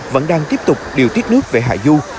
vẫn đang tiếp tục điều tiết nước về hạ du